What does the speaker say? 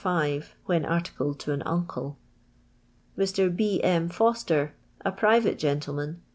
\r when articb d to an uncle. Mr. 1*. M. F(ir.<.ter. a private gentl man.